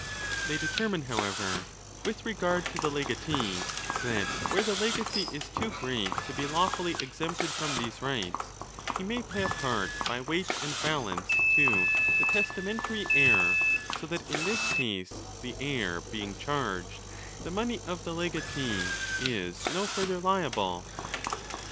They determine, however, with regard to the legatee, that where the legacy is too great to be lawfully exempted from these rites, he may pay a part by weight and balance to the testamentary heir, so that in this case, the heir being charged, the money of the legatee is no further liable.